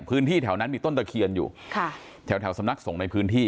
พื้นที่แถวนั้นมีต้นตะเคียนอยู่ค่ะแถวแถวสำนักสงฆ์ในพื้นที่